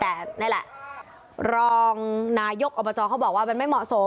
แต่นี่แหละรองนายกอบจเขาบอกว่ามันไม่เหมาะสม